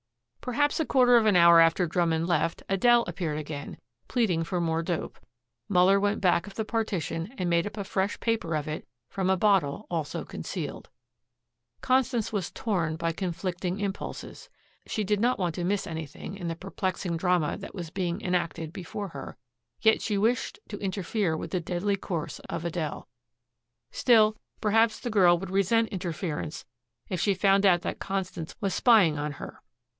Perhaps a quarter of an hour after Drummond left Adele appeared again, pleading for more dope. Muller went back of the partition and made up a fresh paper of it from a bottle also concealed. Constance was torn by conflicting impulses. She did not want to miss anything in the perplexing drama that was being enacted before her, yet she wished to interfere with the deadly course of Adele. Still, perhaps the girl would resent interference if she found out that Constance was spying on her.